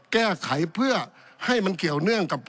แก้ไขเพื่อให้มันเกี่ยวเนื่องกับ